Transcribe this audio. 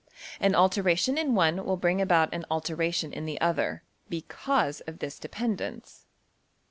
An alteration in one will bring about an alteration in the other, \emph{because} of this dependence.